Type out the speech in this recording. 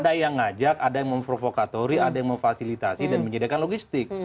ada yang ngajak ada yang memprovokatori ada yang memfasilitasi dan menyediakan logistik